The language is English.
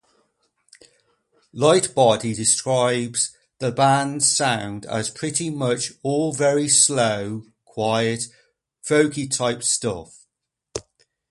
Lightbody describes the band's sound as pretty much all very slow, quiet, folky-type stuff.